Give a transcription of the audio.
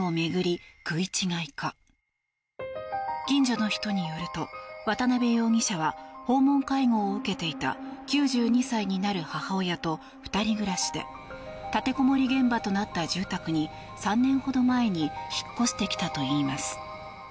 近所の人によると渡邊容疑者は訪問介護を受けていた９２歳になる母親と２人暮らしで立てこもり現場となった住宅に３年ほど前に引っ越してきたといいます。